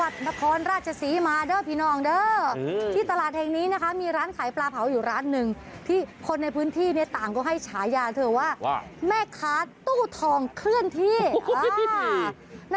แต่ก็ดีแล้วแหละลูกเขาว่าเกิดมาเป็นควายสวยงามเนี่ย